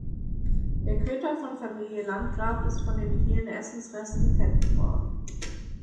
Der Köter von Familie Landgraf ist von den vielen Essensresten fett geworden.